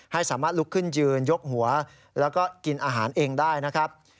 ให้สามารถลุกขึ้นยืนยกหัวแล้วก็กินอาหารเองได้นะครับ